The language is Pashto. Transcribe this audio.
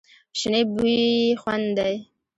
شنې بوی خوند دی.